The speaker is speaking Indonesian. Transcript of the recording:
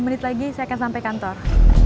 sepuluh menit lagi saya akan sampai kantor